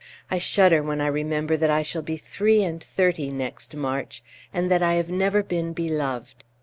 I shudder when I remember that I shall be three and thirty next March, and that I have never been beloved.